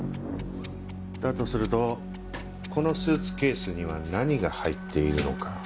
だとするとこのスーツケースには何が入っているのか？